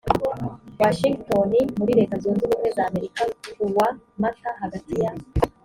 washingitoni muri leta zunze ubumwe za amerika kuwa mata hagati ya